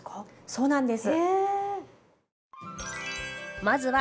そうなんです。